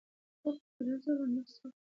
هغه د شپې ټیلیفون کارولو وروسته ژر ویښ شو.